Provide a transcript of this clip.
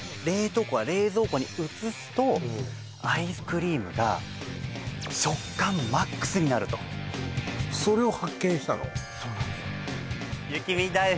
冷凍庫から冷蔵庫に移すとアイスクリームが食感ＭＡＸになるとそれを発見したの？